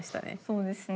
そうですね。